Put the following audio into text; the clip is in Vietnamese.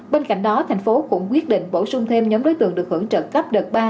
bên cạnh đó thành phố cũng quyết định bổ sung thêm nhóm đối tượng được hưởng trợ cấp đợt ba